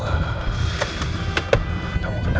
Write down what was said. tunggu kena apa sih nien